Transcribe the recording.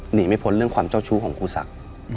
หนีไม่พ้นเรื่องความเจ้าชู้ของครูศักดิ์